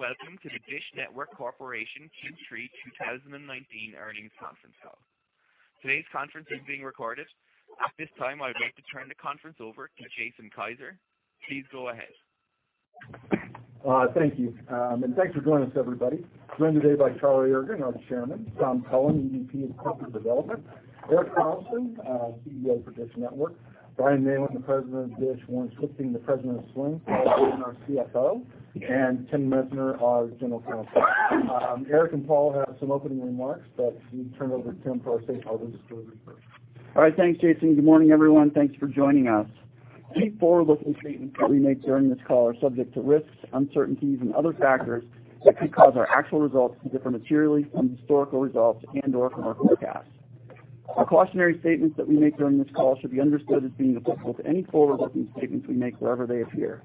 Welcome to the DISH Network Corporation Q3 2019 Earnings Conference Call. Today's conference is being recorded. At this time, I'd like to turn the conference over to Jason Kiser. Please go ahead. Thank you. Thanks for joining us everybody. I'm joined today by Charlie Ergen, Chairman, Tom Cullen, EVP of Corporate Development, Erik Carlson, CEO for DISH Network, Brian Neylon, President of DISH, Warren Schlichting, President of Sling, Paul Orban, CFO, and Tim Messner, General Counsel. Erik and Paul have some opening remarks, let me turn it over to Tim for our safe harbor disclaimer first. All right, thanks, Jason. Good morning, everyone. Thanks for joining us. Key forward-looking statements that we make during this call are subject to risks, uncertainties, and other factors that could cause our actual results to differ materially from historical results and/or from our forecasts. Our cautionary statements that we make during this call should be understood as being applicable to any forward-looking statements we make wherever they appear.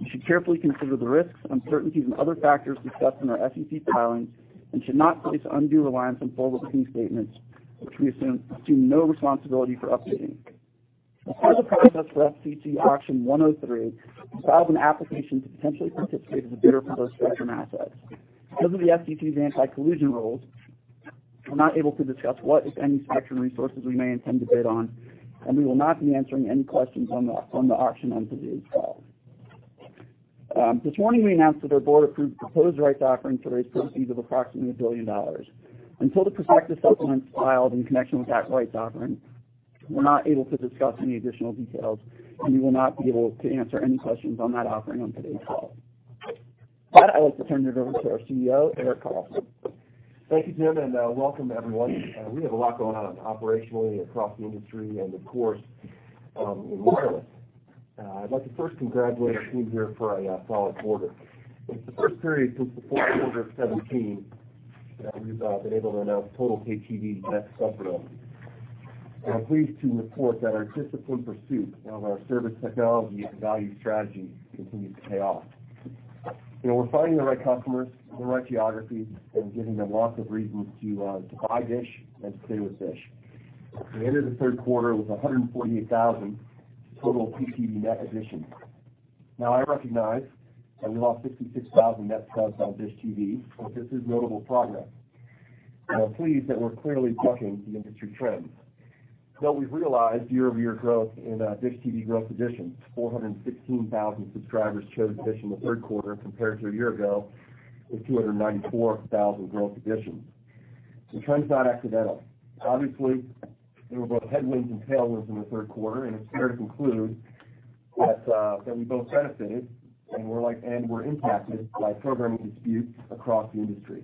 You should carefully consider the risks, uncertainties, and other factors discussed in our SEC filings and should not place undue reliance on forward-looking statements, which we assume no responsibility for updating. As part of the process for FCC Auction 103, we filed an application to potentially participate as a bidder for those spectrum assets. Because of the FCC's anti-collusion rules, we're not able to discuss what, if any, spectrum resources we may intend to bid on, and we will not be answering any questions on the auction on today's call. This morning we announced that our board approved the proposed rights offering to raise proceeds of approximately $1 billion. Until the prospectus supplement is filed in connection with that rights offering, we're not able to discuss any additional details, and we will not be able to answer any questions on that offering on today's call. With that, I'd like to turn it over to our CEO, Erik Carlson. Thank you, Tim, welcome everyone. We have a lot going on operationally across the industry and of course, in wireless. I'd like to first congratulate our team here for a solid quarter. It's the first period since the fourth quarter of 2017 that we've been able to announce total pay TV net subscriber. We are pleased to report that our disciplined pursuit of our service technology and value strategy continues to pay off. You know, we're finding the right customers in the right geographies and giving them lots of reasons to buy DISH and to stay with DISH. We entered the third quarter with 148,000 total pay TV net additions. I recognize that we lost 66,000 net subs on DISH TV, this is notable progress. We're pleased that we're clearly bucking the industry trends, though we've realized year-over-year growth in DISH TV growth additions. 416,000 subscribers chose DISH in the third quarter compared to a year ago with 294,000 growth additions. The trend's not accidental. Obviously, there were both headwinds and tailwinds in the third quarter, and it's fair to conclude that we both benefited and were impacted by programming disputes across the industry.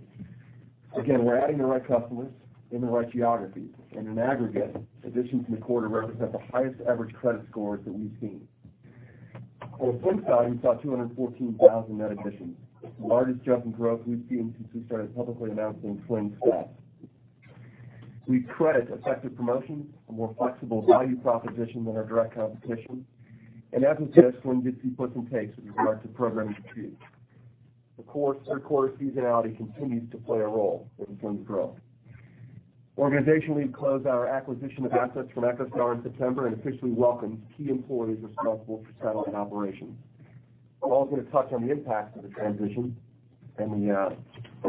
Again, we're adding the right customers in the right geographies, and in aggregate, additions in the quarter represent the highest average credit scores that we've seen. On the Sling side, we saw 214,000 net additions, the largest jump in growth we've seen since we started publicly announcing Sling stats. We credit effective promotions, a more flexible value proposition than our direct competition. As we've said, Sling gets its puts and takes with regard to programming disputes. Of course, 3rd quarter seasonality continues to play a role in Sling's growth. Organizationally, we've closed our acquisition of assets from EchoStar in September and officially welcomed key employees responsible for satellite operations. Paul is going to touch on the impact of the transition and the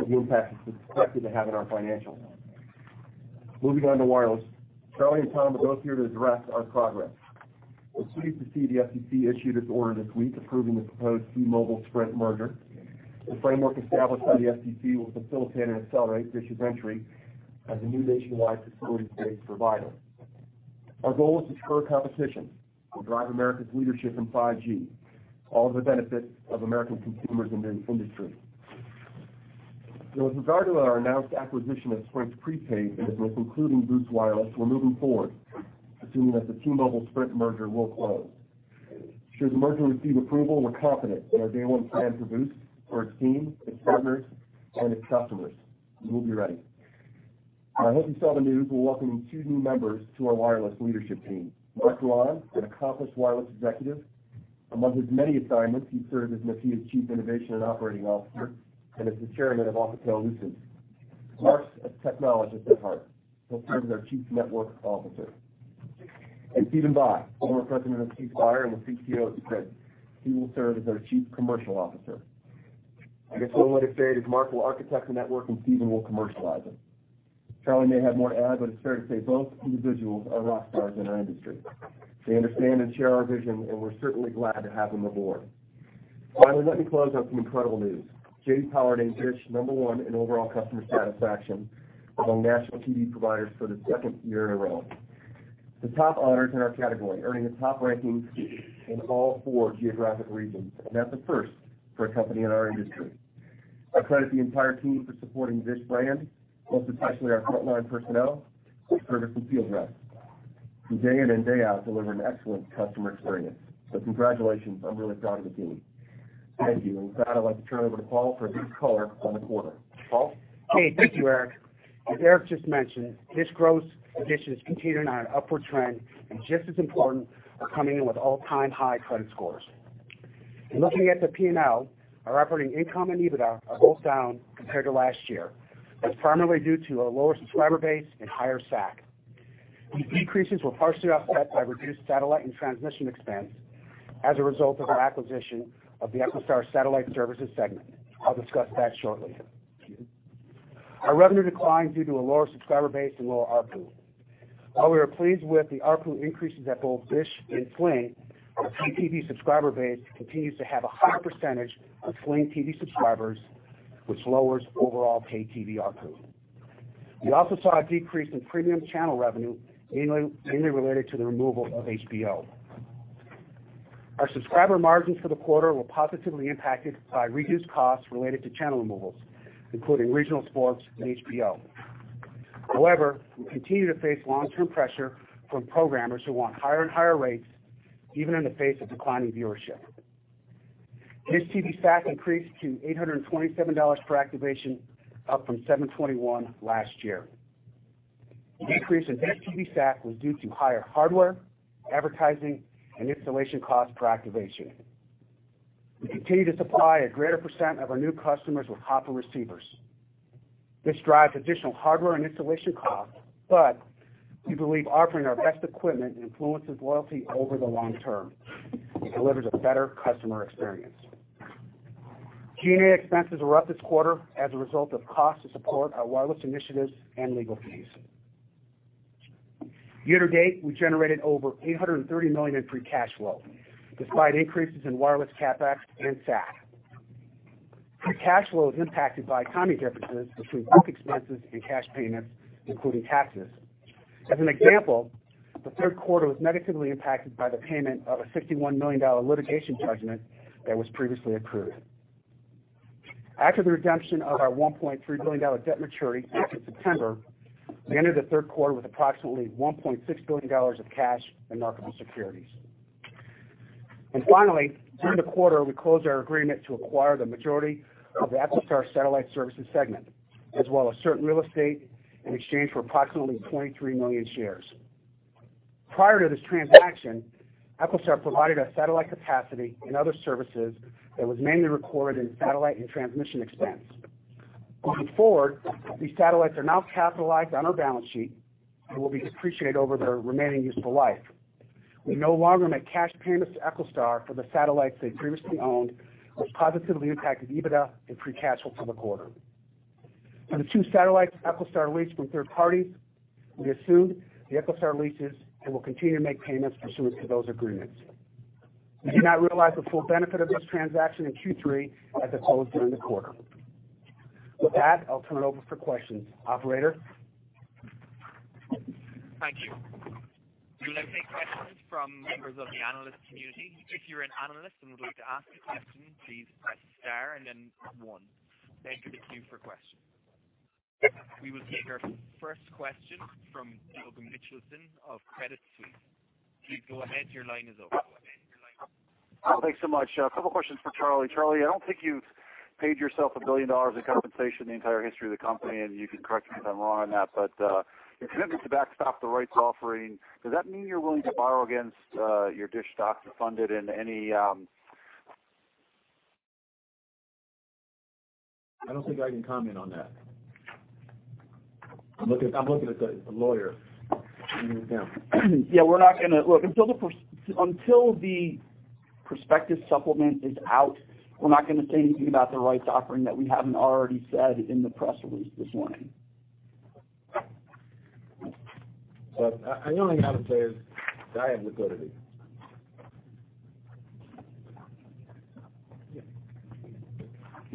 impact it's expected to have on our financials. Moving on to wireless. Charlie and Tom are both here to address our progress. We're pleased to see the FCC issue this order this week approving the proposed T-Mobile Sprint merger. The framework established by the FCC will facilitate and accelerate DISH's entry as a new nationwide facilities-based provider. Our goal is to spur competition and drive America's leadership in 5G, all to the benefit of American consumers and the industry. With regard to our announced acquisition of Sprint's prepaid business, including Boost Mobile, we're moving forward, assuming that the T-Mobile Sprint merger will close. Should the merger receive approval, we're confident in our day one plan for Boost, for its team, its partners, and its customers. We will be ready. I hope you saw the news. We're welcoming two new members to our wireless leadership team. Marc Rouanne, an accomplished wireless executive. Among his many assignments, he served as Nokia's Chief Innovation and Operating Officer and as the Chairman of Alcatel-Lucent. Mark's a technologist at heart. He'll serve as our Chief Network Officer. Stephen Bye, former president of C Spire and the CTO at Sprint. He will serve as our Chief Commercial Officer. I guess one way to say it is Mark will architect the network and Stephen will commercialize it. Charlie may have more to add, but it's fair to say both individuals are rock stars in our industry. They understand and share our vision, and we're certainly glad to have them aboard. Finally, let me close on some incredible news. J.D. Power named DISH number 1 in overall customer satisfaction among national TV providers for the second year in a row. The top honors in our category, earning a top ranking in all four geographic regions, that's a first for a company in our industry. I credit the entire team for supporting DISH brand, most especially our frontline personnel who serve as the field reps who day in and day out deliver an excellent customer experience. Congratulations. I'm really proud of the team. Thank you. With that, I'd like to turn it over to Paul for a brief color on the quarter. Paul? Okay. Thank you, Erik. As Erik just mentioned, DISH gross additions continuing on an upward trend, and just as important, are coming in with all-time high credit scores. In looking at the P&L, our operating income and EBITDA are both down compared to last year. That's primarily due to a lower subscriber base and higher SAC. These decreases were partially offset by reduced satellite and transmission expense as a result of our acquisition of the EchoStar Satellite Services segment. I'll discuss that shortly. Our revenue declined due to a lower subscriber base and lower ARPU. While we are pleased with the ARPU increases at both DISH and Sling, our pay TV subscriber base continues to have a higher percentage of Sling TV subscribers, which lowers overall pay TV ARPU. We also saw a decrease in premium channel revenue mainly related to the removal of HBO. Our subscriber margins for the quarter were positively impacted by reduced costs related to channel removals, including Regional Sports and HBO. However, we continue to face long-term pressure from programmers who want higher and higher rates even in the face of declining viewership. DISH TV SAC increased to $827 per activation, up from $721 last year. The increase in DISH TV SAC was due to higher hardware, advertising, and installation costs per activation. We continue to supply a greater % of our new customers with Hopper receivers. This drives additional hardware and installation costs, but we believe offering our best equipment influences loyalty over the long term. It delivers a better customer experience. G&A expenses were up this quarter as a result of cost to support our wireless initiatives and legal fees. Year to date, we generated over $830 million in free cash flow, despite increases in wireless CapEx and SAC. Free cash flow is impacted by timing differences between book expenses and cash payments, including taxes. As an example, the third quarter was negatively impacted by the payment of a $51 million litigation judgment that was previously accrued. After the redemption of our $1.3 billion debt maturity due to September, we ended the third quarter with approximately $1.6 billion of cash and marketable securities. Finally, during the quarter, we closed our agreement to acquire the majority of the EchoStar Satellite Services Segment, as well as certain real estate in exchange for approximately 23 million shares. Prior to this transaction, EchoStar provided a satellite capacity and other services that was mainly recorded in satellite and transmission expense. Going forward, these satellites are now capitalized on our balance sheet and will be depreciated over their remaining useful life. We no longer make cash payments to EchoStar for the satellites they previously owned, which positively impacted EBITDA and free cash flow for the quarter. For the two satellites EchoStar leased from third parties, we assumed the EchoStar leases and will continue to make payments pursuant to those agreements. We do not realize the full benefit of this transaction in Q3 as it closed during the quarter. With that, I'll turn it over for questions. Operator? Thank you. We will now take questions from members of the analyst community. If you're an analyst and would like to ask a question, please press star and then one. Thank you. Queued for questions. We will take our first question from Doug Mitchelson of Credit Suisse. Please go ahead. Your line is open. Thanks so much. A couple questions for Charlie. Charlie, I don't think you've paid yourself $1 billion in compensation in the entire history of the company. You can correct me if I'm wrong on that. Your commitment to backstop the rights offering, does that mean you're willing to borrow against your DISH stock to fund it in any, I don't think I can comment on that. I'm looking at the lawyer. Yeah, we're not gonna until the prospectus supplement is out, we're not gonna say anything about the rights offering that we haven't already said in the press release this morning. I can only comment there that I have liquidity.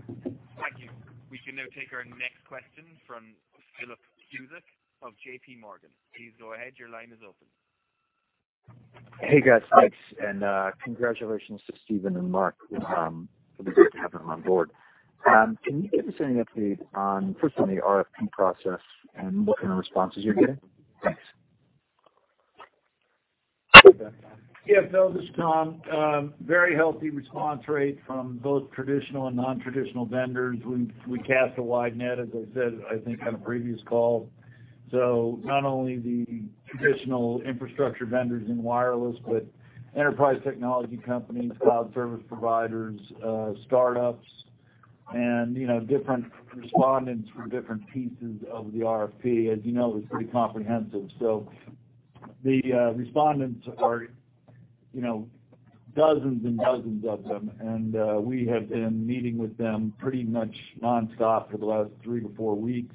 Thank you. We can now take our next question from Philip Cusick of JPMorgan. Please go ahead. Your line is open. Hey, guys. Thanks. Congratulations to Stephen and Mark with for the board to have him on board. Can you give us any update on, first on the RFP process and what kind of responses you're getting? Thanks. No, this is Tom. Very healthy response rate from both traditional and non-traditional vendors. We cast a wide net, as I said, I think on a previous call. Not only the traditional infrastructure vendors in wireless, but enterprise technology companies, cloud service providers, startups and, you know, different respondents for different pieces of the RFP. As you know, it was pretty comprehensive. The respondents are, you know, dozens and dozens of them. We have been meeting with them pretty much nonstop for the last three to four weeks,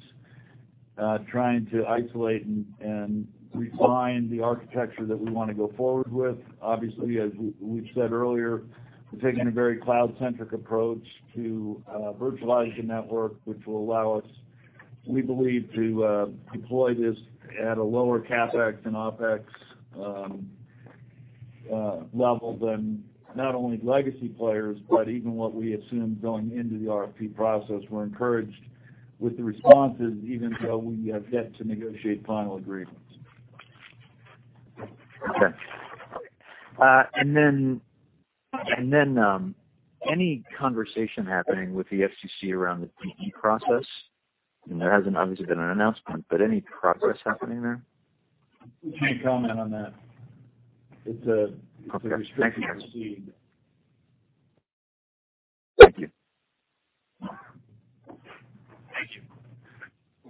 trying to isolate and refine the architecture that we wanna go forward with. Obviously, as we've said earlier, we're taking a very cloud-centric approach to virtualize the network, which will allow us, we believe, to deploy this at a lower CapEx and OpEx level than not only legacy players, but even what we assumed going into the RFP process. We're encouraged with the responses even though we have yet to negotiate final agreements. Okay. Any conversation happening with the FCC around the DE process? There hasn't obviously been an announcement, but any progress happening there? We can't comment on that. Okay. Thank you. restricted proceeding. Thank you. Thank you.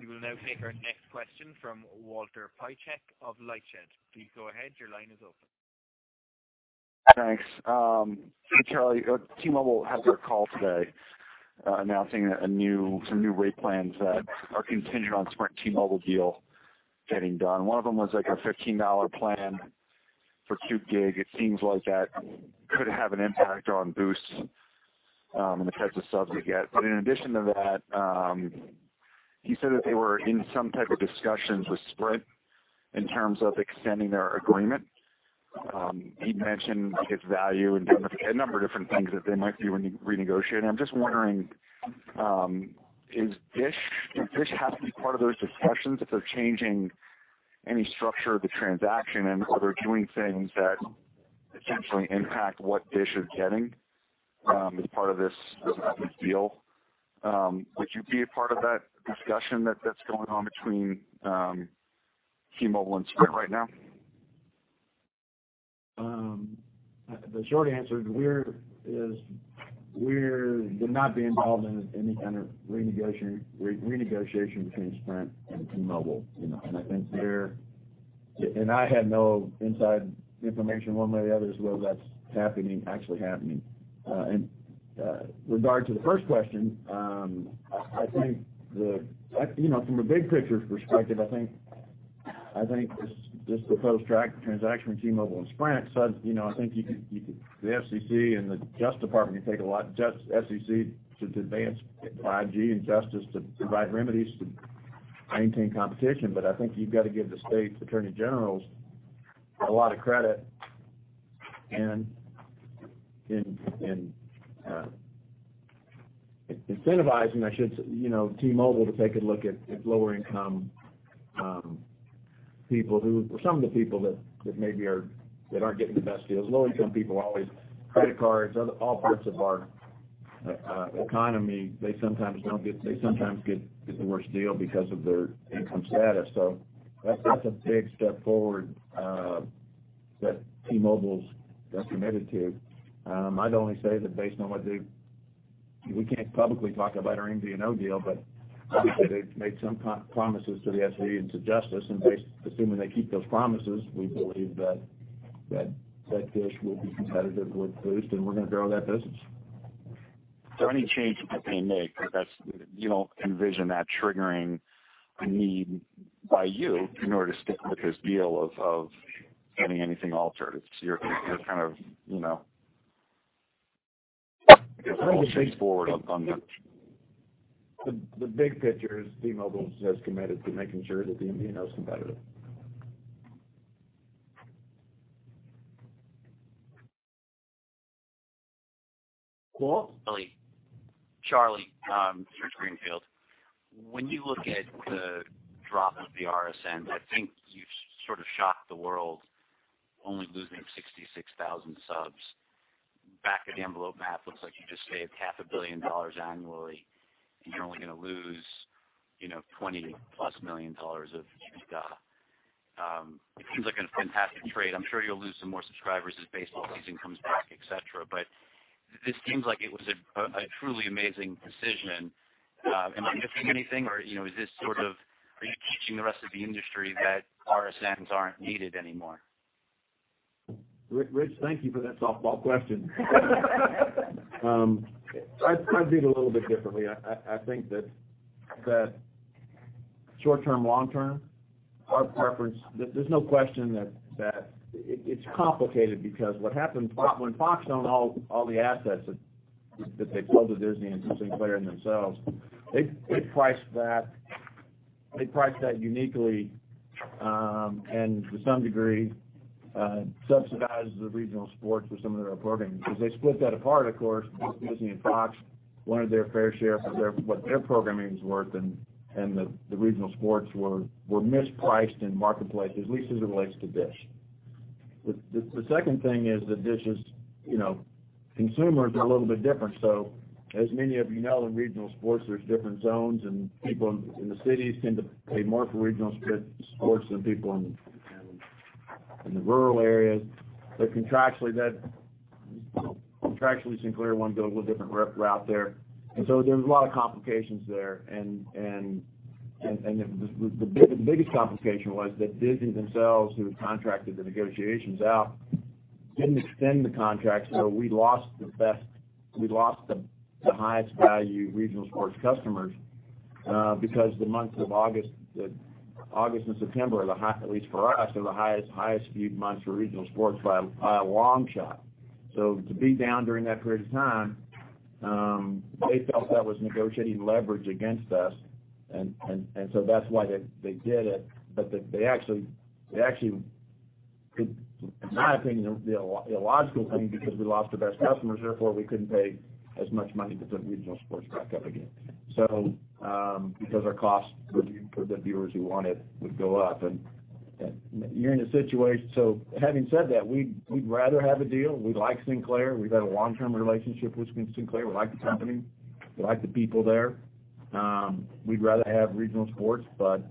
We will now take our next question from Walter Piecyk of LightShed. Please go ahead. Your line is open. Thanks. Hi, Charlie. T-Mobile had their call today, announcing some new rate plans that are contingent on Sprint T-Mobile deal getting done. One of them was like a $15 plan for two gig. It seems like that could have an impact on Boost, and the types of subs you get. In addition to that, he said that they were in some type of discussions with Sprint in terms of extending their agreement. He mentioned his value in doing a number of different things that they might do when you renegotiate. I'm just wondering, would DISH have to be part of those discussions if they're changing any structure of the transaction and or they're doing things that potentially impact what DISH is getting as part of this deal? Would you be a part of that discussion that's going on between T-Mobile and Sprint right now? The short answer is we would not be involved in any kind of renegotiation between Sprint and T-Mobile, you know. I have no inside information one way or the other as to whether that's happening, actually happening. In regard to the first question, I think the You know, from a big picture perspective, I think this proposed transaction with T-Mobile and Sprint, you know, I think you could the FCC and the Justice Department can take a lot. Just FCC to advance 5G and Justice to provide remedies to maintain competition. I think you've got to give the state attorneys general a lot of credit and incentivizing, I should you know, T-Mobile to take a look at lower income people who or some of the people that aren't getting the best deals. Low-income people, always credit cards, other all parts of our economy, they sometimes get the worst deal because of their income status. That's a big step forward that T-Mobile's committed to. We can't publicly talk about our MVNO deal. Obviously, they've made some promises to the FCC and to Justice. Based assuming they keep those promises, we believe that DISH will be competitive with Boost Mobile. We're gonna grow that business. Any change that they make, that's, you don't envision that triggering a need by you in order to stick with this deal of getting anything altered. You're kind of, you know, I guess a little bit forward on that. The big picture is T-Mobile has committed to making sure that the MVNO is competitive. Paul? Charlie, Rich Greenfield. When you look at the drop of the RSN, I think you sort of shocked the world, only losing 66,000 subs. Back of the envelope math looks like you just saved half a billion dollars annually, and you're only gonna lose, you know, $20-plus million of ARPU. It seems like a fantastic trade. I'm sure you'll lose some more subscribers as baseball season comes back, et cetera. This seems like it was a truly amazing decision. Am I missing anything or, you know, is this sort of are you teaching the rest of the industry that RSNs aren't needed anymore? Rich, thank you for that softball question. I'd view it a little bit differently. I think that short-term, long-term, our preference There's no question that it's complicated because what happened when Fox owned all the assets that they sold to Disney and to Sinclair themselves, they priced that uniquely, and to some degree, subsidized the Regional Sports with some of their programming. As they split that apart, of course, Disney and Fox wanted their fair share for what their programming is worth, and the Regional Sports were mispriced in marketplace as least as it relates to DISH. The second thing is that DISH is, you know, consumers are a little bit different. As many of you know, in regional sports, there's different zones, and people in the cities tend to pay more for regional sports than people in the rural areas. Contractually, Sinclair wanted to go a little different route there. There was a lot of complications there. The biggest complication was that Disney themselves, who had contracted the negotiations out, didn't extend the contract. We lost the highest value regional sports customers, because the months of August, the August and September are at least for us, the highest viewed months for regional sports by a long shot. To be down during that period of time, they felt that was negotiating leverage against us. That's why they did it. They actually could, in my opinion, the illogical thing because we lost the best customers, therefore we couldn't pay as much money to put Regional Sports back up again. Because our costs for the viewers who want it would go up and you're in a situation. Having said that, we'd rather have a deal. We like Sinclair. We've had a long-term relationship with Sinclair. We like the company. We like the people there. We'd rather have Regional Sports, but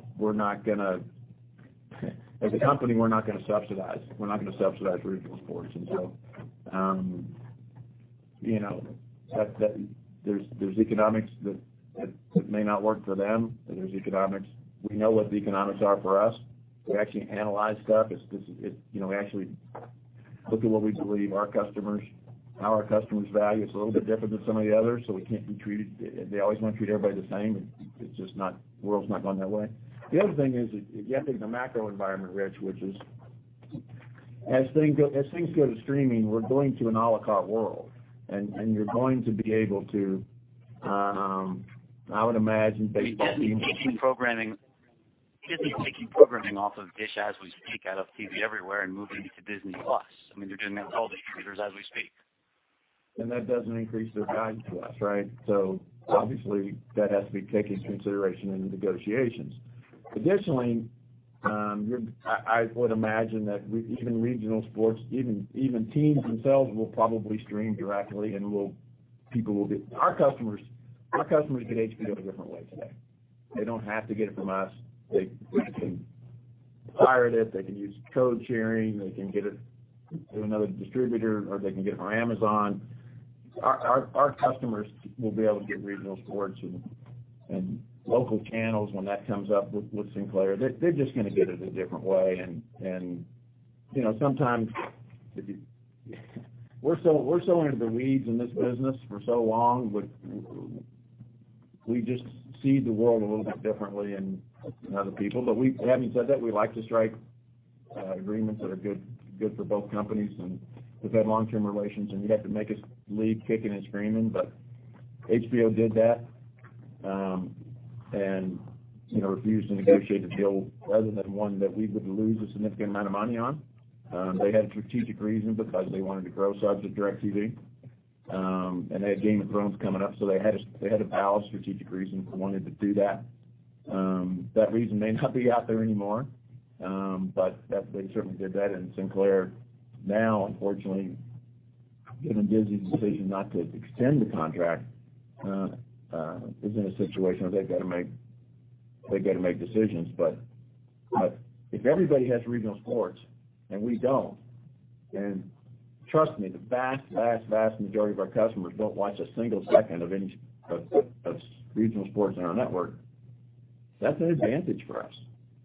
as a company, we're not going to subsidize. We're not going to subsidize Regional Sports. You know, there's economics that may not work for them, and there's economics. We know what the economics are for us. We actually analyze stuff. It's, you know, we actually look at what we believe our customers, how our customers value. It's a little bit different than some of the others. They always wanna treat everybody the same, it's just not. World's not going that way. The other thing is, you have to think the macro environment, Rich, which is as things go, as things go to streaming, we're going to an a la carte world. You're going to be able to, I would imagine baseball teams. They're definitely taking programming, Disney's taking programming off of DISH as we speak, out of TV Everywhere and moving it to Disney+. I mean, they're doing that with all distributors as we speak. That doesn't increase their value to us, right? Obviously, that has to be taken into consideration in the negotiations. Additionally, I would imagine that even regional sports, even teams themselves will probably stream directly and Our customers get HBO a different way today. They don't have to get it from us. They can pirate it. They can use code sharing. They can get it through another distributor, or they can get it from Amazon. Our customers will be able to get regional sports and local channels when that comes up with Sinclair. They're just gonna get it a different way. You know, sometimes we're so into the weeds in this business for so long, we just see the world a little bit differently than other people. Having said that, we like to strike agreements that are good for both companies and, we've had long-term relations, and you'd have to make us leave kicking and screaming. HBO did that, and, you know, refused to negotiate a deal other than one that we would lose a significant amount of money on. They had strategic reasons because they wanted to grow subs with DirecTV, and they had Game of Thrones coming up, so they had a valid strategic reason for wanting to do that. That reason may not be out there anymore, but they certainly did that. Sinclair now, unfortunately, given Disney's decision not to extend the contract, is in a situation where they've got to make decisions. If everybody has regional sports and we don't, then trust me, the vast, vast majority of our customers don't watch a single second of any of regional sports on our network. That's an advantage for us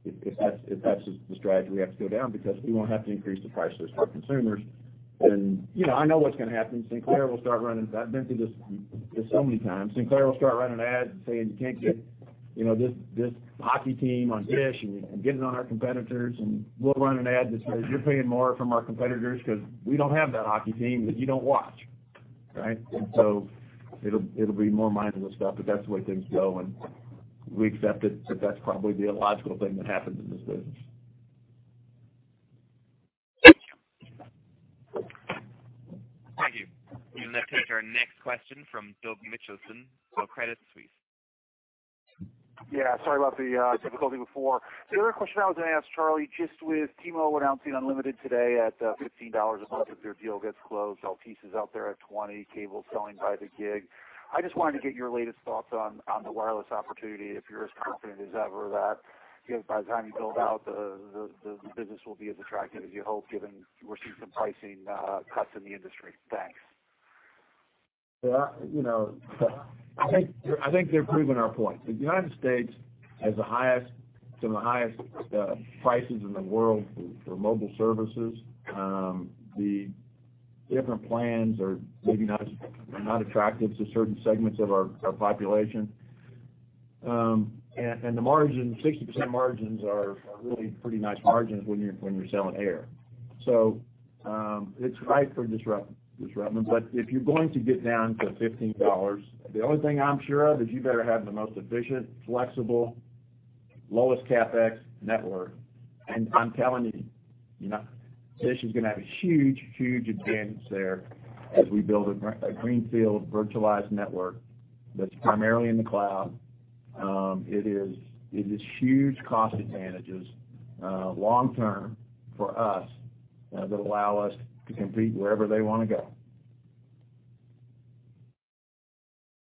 if that's the strategy we have to go down because we won't have to increase the prices for consumers. You know, I know what's going to happen. Sinclair will start running I've been through this so many times. Sinclair will start running ads and saying, "You can't get, you know, this hockey team on DISH, and get it on our competitors." We'll run an ad that says, "You're paying more from our competitors because we don't have that hockey team that you don't watch." Right? It'll be more mindless stuff, but that's the way things go, and we accept it that that's probably the illogical thing that happens in this business. Thank you. We will now take our next question from Doug Mitchelson from Credit Suisse. Yeah, sorry about the difficulty before. The other question I was gonna ask, Charlie, just with T-Mobile announcing unlimited today at $15 a month if their deal gets closed, Altice is out there at $20, cable selling by the gig. I just wanted to get your latest thoughts on the wireless opportunity, if you're as confident as ever that, you know, by the time you build out the business will be as attractive as you hope, given we're seeing some pricing cuts in the industry. Thanks. You know, they're proving our point. The United States has the highest, some of the highest, prices in the world for mobile services. The different plans are not attractive to certain segments of our population. The margin, 60% margins are really pretty nice margins when you're selling air. It's ripe for disruption. If you're going to get down to $15, the only thing I'm sure of is you better have the most efficient, flexible, lowest CapEx network. I'm telling you know, DISH is going to have a huge, huge advantage there as we build a greenfield virtualized network that's primarily in the cloud. It is huge cost advantages, long term for us, that allow us to compete wherever they wanna go.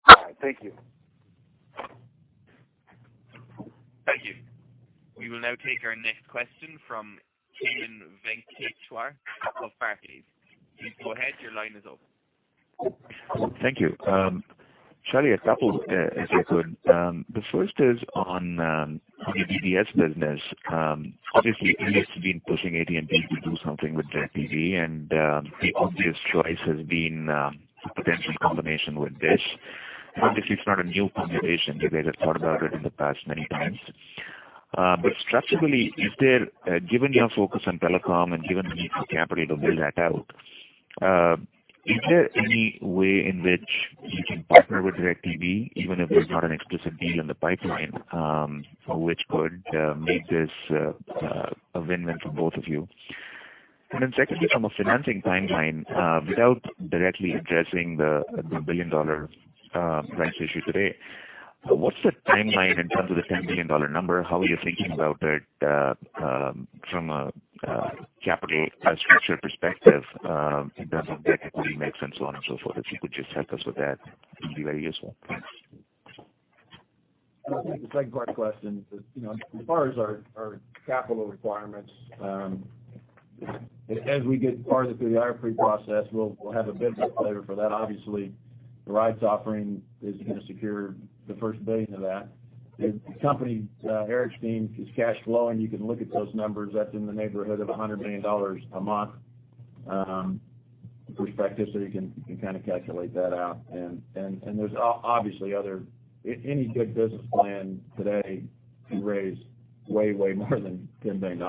All right. Thank you. Thank you. We will now take our next question from Kannan Venkateshwar of Barclays. Please go ahead. Your line is open. Thank you. Charlie, a couple, if you could. The first is on the DBS business. Obviously, AT&T's been pushing AT&T to do something with DirecTV, the obvious choice has been a potential combination with DISH. Obviously, it's not a new combination. You guys have thought about it in the past many times. Structurally, is there given your focus on telecom and given the need for capital to build that out, is there any way in which you can partner with DirecTV even if there's not an explicit deal in the pipeline, which could make this a win-win for both of you? Secondly, from a financing timeline, without directly addressing the $1 billion rights issue today, what's the timeline in terms of the $10 billion number? How are you thinking about it, from a capital structure perspective, in terms of debt equity mix and so on and so forth? If you could just help us with that, it would be very useful. Thanks. I'll take the second part of the question. You know, as far as our capital requirements, as we get farther through the RFP process, we'll have a better flavor for that. Obviously, the rights offering is gonna secure the first $1 billion of that. The company, Erik's team is cash flowing. You can look at those numbers. That's in the neighborhood of $100 million a month, respectively. You can kinda calculate that out. There's obviously other Any good business plan today can raise way more than $10 billion.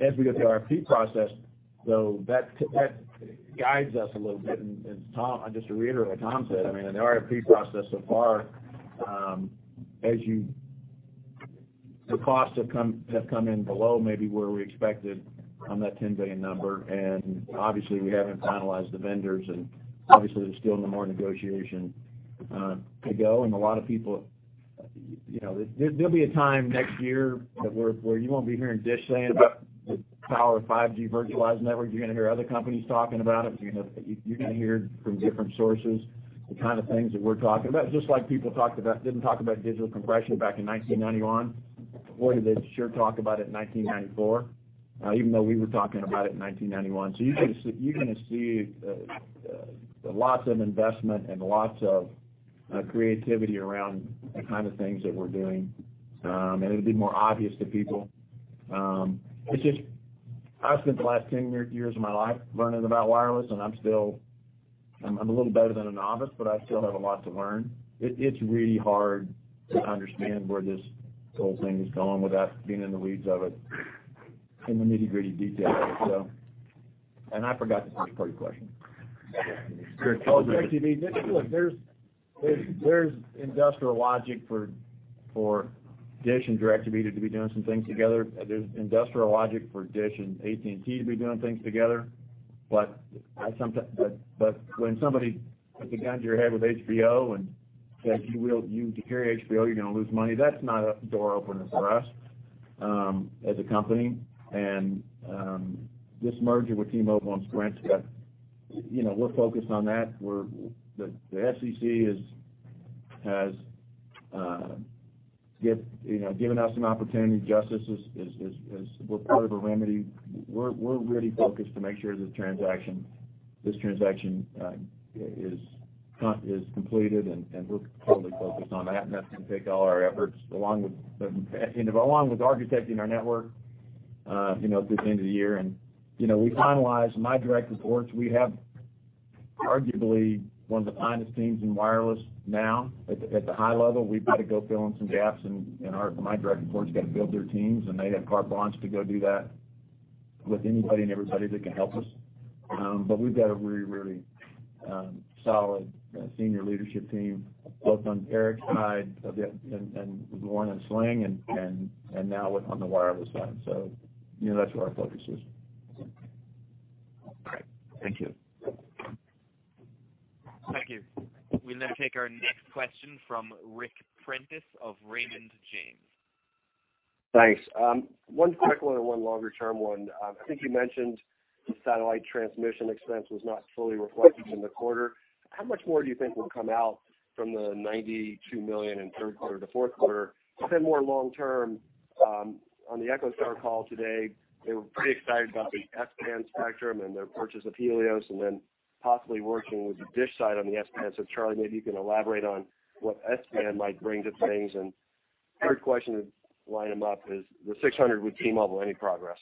As we go through the RFP process, though, that guides us a little bit. Tom, just to reiterate what Tom said, I mean, in the RFP process so far, as you the costs have come in below maybe where we expected on that $10 billion number. Obviously, we haven't finalized the vendors, obviously, there's still more negotiation to go. A lot of people, you know, there'll be a time next year where you won't be hearing DISH saying about the power of 5G virtualized networks. You're gonna hear other companies talking about it. You're gonna hear from different sources the kind of things that we're talking about. Just like people talked about didn't talk about digital compression back in 1991. Boy, did they sure talk about it in 1994, even though we were talking about it in 1991. You're gonna see, you're gonna see, lots of investment and lots of creativity around the kind of things that we're doing. It'll be more obvious to people. It's just I've spent the last 10 years of my life learning about wireless, and I'm still a little better than a novice, but I still have a lot to learn. It's really hard to understand where this whole thing is going without being in the weeds of it, in the nitty-gritty details. I forgot the first part of your question. DirecTV. Look, there's industrial logic for DISH and DirecTV to be doing some things together. There's industrial logic for DISH and AT&T to be doing things together. When somebody puts a gun to your head with HBO and says, "You carry HBO or you're gonna lose money," that's not a door opener for us as a company. This merger with T-Mobile and Sprint's got, you know, we're focused on that. The SEC has, you know, given us an opportunity. Justice is part of a remedy. We're really focused to make sure this transaction is completed, and we're totally focused on that. That's gonna take all our efforts, along with the, you know, along with architecting our network, you know, through the end of the year. We finalized my direct reports. We have arguably one of the finest teams in wireless now. At the high level, we've got to go fill in some gaps, and our, my direct reports got to build their teams, and they have carte blanche to go do that with anybody and everybody that can help us. We've got a really solid senior leadership team, both on Erik's side and Warren and Sling and now on the wireless side. That's where our focus is. Okay. Thank you. Thank you. We'll then take our next question from Ric Prentiss of Raymond James. Thanks. One quick one and one longer term one. I think you mentioned the satellite transmission expense was not fully reflected in the quarter. How much more do you think will come out from the $92 million in third quarter to fourth quarter? More long term, on the EchoStar call today, they were pretty excited about the S-band spectrum and their purchase of Helios, and then possibly working with the DISH side on the S-band. Charlie, maybe you can elaborate on what S-band might bring to things? Third question to line them up is the 600 with T-Mobile, any progress?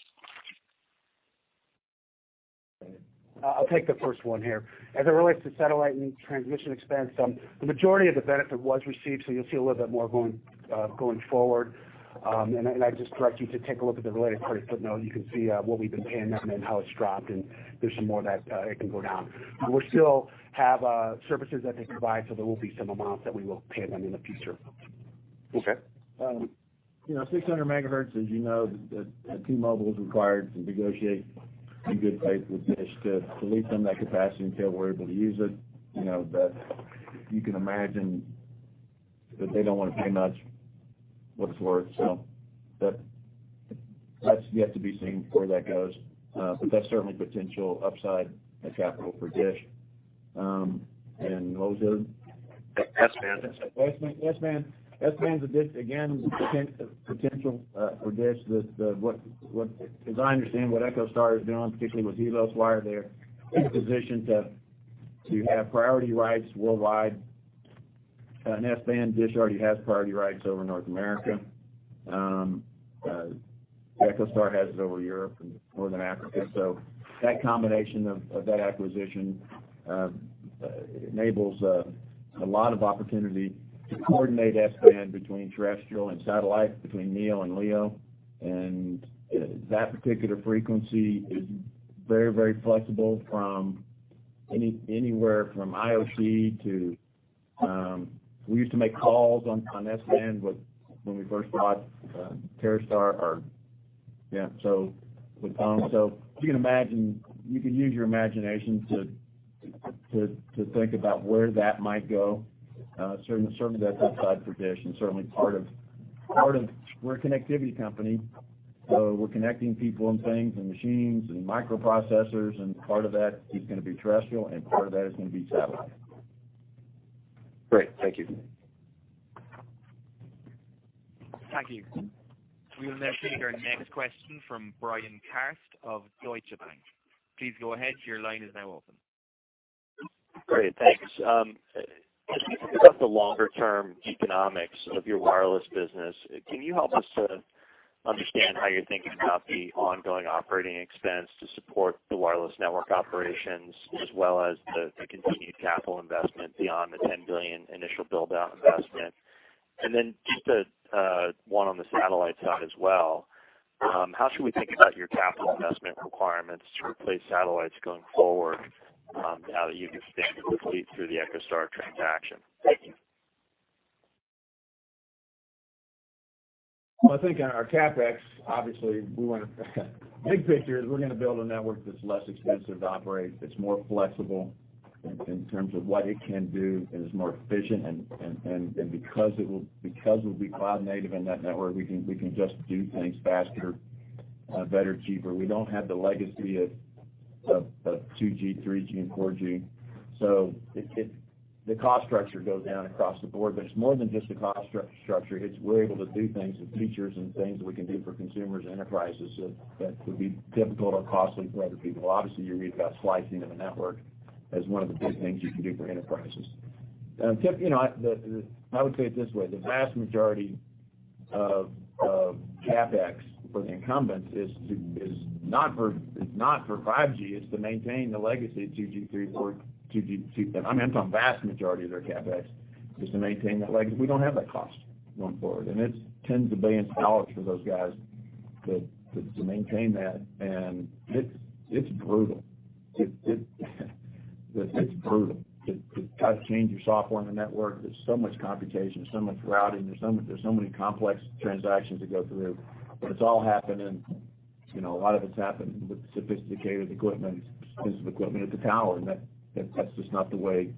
I'll take the first one here. As it relates to satellite and transmission expense, the majority of the benefit was received, so you'll see a little bit more going forward. I'd just direct you to take a look at the related party footnote. You can see what we've been paying them and how it's dropped, and there's some more that it can go down. We still have services that they provide, so there will be some amounts that we will pay them in the future. Okay. You know, 600MHz, as you know, the T-Mobile was required to negotiate in good faith with DISH to lease them that capacity until we're able to use it. You know, that you can imagine that they don't wanna pay much, what it's worth. That's yet to be seen before that goes. That's certainly potential upside and capital for DISH. What was the other? S-band. S-band to DISH, again, is a potential for DISH. What as I understand what EchoStar is doing, particularly with Helios, why they're in a position to have priority rights worldwide on S-band. DISH already has priority rights over North America. EchoStar has it over Europe and Northern Africa. That combination of that acquisition enables a lot of opportunity to coordinate S-band between terrestrial and satellite, between GEO and LEO. That particular frequency is very flexible from anywhere from IoT to We used to make calls on S-band with, when we first bought TerreStar or yeah, so with Tom. You can imagine, you can use your imagination to think about where that might go. Certain that's inside prediction. Certainly part of. We're a connectivity company. We're connecting people and things and machines and microprocessors. Part of that is gonna be terrestrial and part of that is gonna be satellite. Great. Thank you. Thank you. We will now take our next question from Bryan Kraft of Deutsche Bank. Please go ahead. Your line is now open. Great. Thanks. Thinking about the longer term economics of your wireless business, can you help us to understand how you're thinking about the ongoing operating expense to support the wireless network operations as well as the continued capital investment beyond the $10 billion initial build-out investment? Just one on the satellite side as well, how should we think about your capital investment requirements to replace satellites going forward, now that you've expanded the fleet through the EchoStar transaction? Thank you. Well, I think on our CapEx, obviously we wanna big picture is we're gonna build a network that's less expensive to operate, that's more flexible in terms of what it can do and is more efficient and because we'll be cloud native in that network, we can, we can just do things faster, better, cheaper. We don't have the legacy of 2G, 3G, and 4G. The cost structure goes down across the board, but it's more than just a cost structure. It's we're able to do things with features and things that we can do for consumers and enterprises that would be difficult or costly for other people. Obviously, you read about slicing of a network as one of the big things you can do for enterprises. Tim, you know, I would say it this way, the vast majority of CapEx for the incumbents is not for 5G. It's to maintain the legacy of 2G, 3, 4, 2G, 2 I mean, I'm talking vast majority of their CapEx is to maintain that legacy. We don't have that cost going forward, and it's tens of billions of dollars for those guys to maintain that. It's brutal. It's brutal. To kind of change your software in the network, there's so much computation, there's so much routing, there's so many complex transactions that go through. it's all happening, you know, a lot of it's happening with sophisticated equipment, pieces of equipment at the tower, and that's just not the way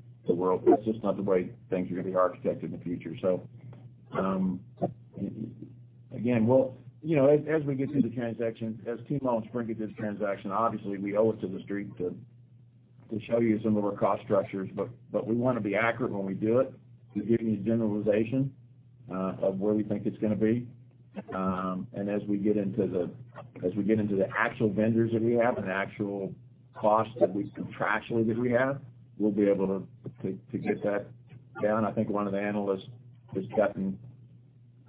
things are gonna be architected in the future. again, we'll You know, as we get through the transaction, as T-Mobile and Sprint get this transaction, obviously we owe it to the street to show you some of our cost structures, but we wanna be accurate when we do it. We've given you generalization of where we think it's gonna be. as we get into the actual vendors that we have and actual costs that we contractually that we have, we'll be able to get that down. I think one of the analysts is getting.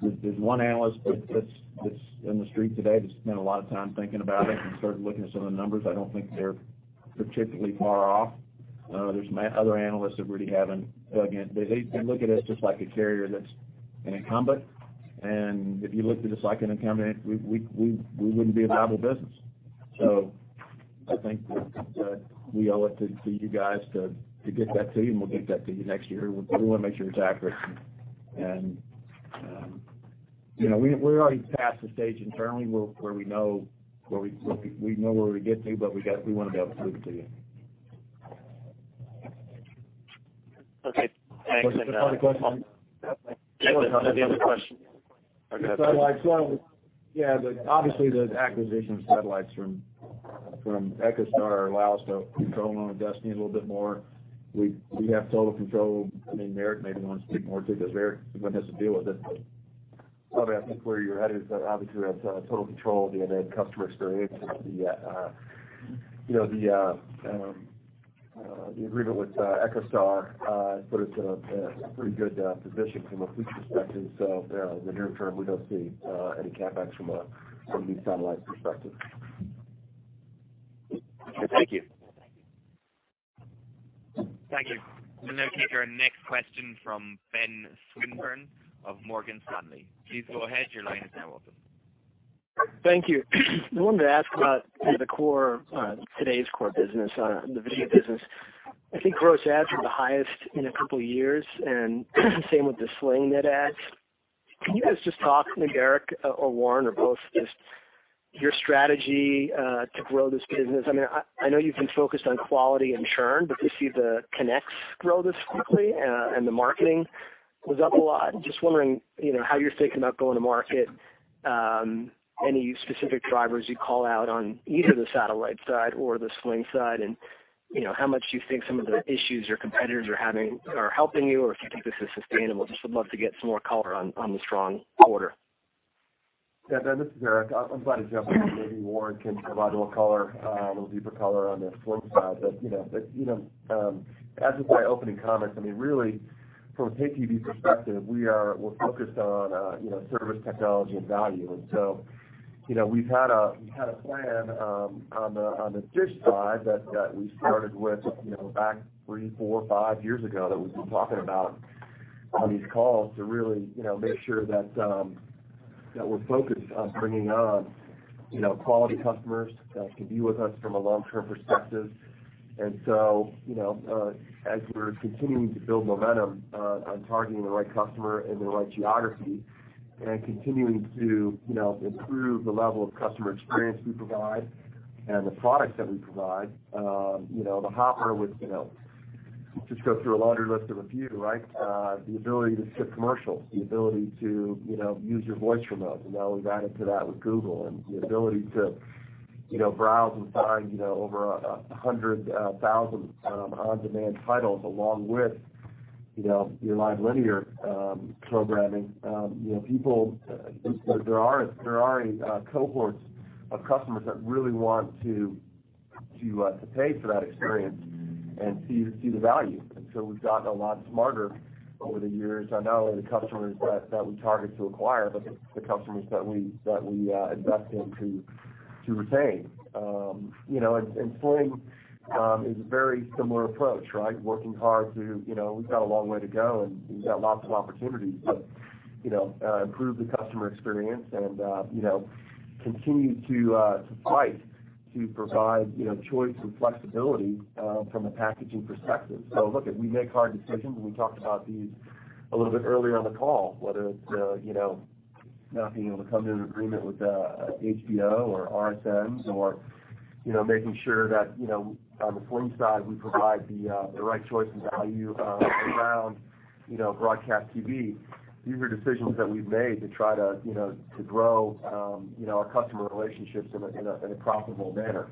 There's one analyst that's in the street today that spent a lot of time thinking about it and started looking at some of the numbers. I don't think they're particularly far off. There's other analysts that really haven't dug in. They look at us just like a carrier that's an incumbent. If you looked at us like an incumbent, we wouldn't be a viable business. I think that we owe it to you guys to get that to you, and we'll get that to you next year. We wanna make sure it's accurate and, you know, we're already past the stage internally where we know, where we know where we're getting to, but we wanna be able to prove it to you. Okay, thanks. Was there another question? That was the other question. The satellites, well, yeah, obviously, the acquisition of satellites from EchoStar allows to control our destiny a little bit more. We have total control. I mean, Erik maybe wants to speak more to this. Erik is the one that has to deal with it. I think where you're headed is that, obviously, we have total control via that customer experience. The, you know, the agreement with EchoStar put us in a pretty good position from a fleet perspective. In the near term, we don't see any CapEx from a new satellite perspective. Okay. Thank you. Thank you. We'll now take our next question from Benjamin Swinburne of Morgan Stanley. Please go ahead. Thank you. I wanted to ask about, you know, the core, today's core business, the video business. I think gross adds are the highest in two years, and same with the Sling net adds. Can you guys just talk, maybe Erik or Warren or both, just your strategy to grow this business? I mean, I know you've been focused on quality and churn, but to see the connects grow this quickly, and the marketing was up a lot. Just wondering, you know, how you're thinking about going to market, any specific drivers you'd call out on either the satellite side or the Sling side and, you know, how much do you think some of the issues your competitors are having are helping you or if you think this is sustainable? Just would love to get some more color on the strong quarter. Yeah, Ben, this is Erik. I'm glad to jump in, and maybe Warren can provide a little color, a little deeper color on the Sling side. You know, as with my opening comments, I mean, really from a pay TV perspective, we're focused on, you know, service, technology, and value. You know, we've had a plan on the DISH side that we started with, you know, back three, four, five years ago that we've been talking about on these calls to really, you know, make sure that we're focused on bringing on, you know, quality customers that can be with us from a long-term perspective. You know, as we're continuing to build momentum, on targeting the right customer in the right geography and continuing to, you know, improve the level of customer experience we provide and the products that we provide, you know, the Hopper with, you know, just go through a laundry list of a few, right? The ability to skip commercials, the ability to, you know, use your voice remote, and now we've added to that with Google and the ability to, you know, browse and find, you know, over 100,000 on-demand titles along with, you know, your live linear programming. You know, people, there are cohorts of customers that really want to pay for that experience and see the value. We've gotten a lot smarter over the years on not only the customers that we target to acquire, but the customers that we invest in to retain. You know, Sling is a very similar approach, right? Working hard to, you know, we've got a long way to go, and we've got lots of opportunities to, you know, improve the customer experience and, you know, continue to fight to provide, you know, choice and flexibility from a packaging perspective. Look, we make hard decisions, and we talked about these a little bit earlier on the call, whether it's, you know, not being able to come to an agreement with HBO or RSNs or, you know, making sure that, you know, on the Sling side, we provide the right choice and value around, you know, broadcast TV. These are decisions that we've made to try to, you know, to grow, you know, our customer relationships in a, in a, in a profitable manner.